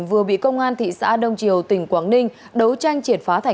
vừa bị công an thị xã đông triều tỉnh quảng ninh đấu tranh triển phá